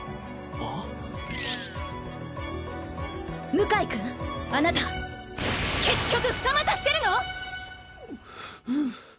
向井君あなた結局二股してるの⁉くっ。